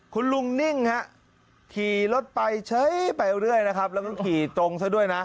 คุณลุงนิ่งครับขี่รถไปใช้ไปเรื่อยแล้วก็ขี่ตรงซะด้วยนะ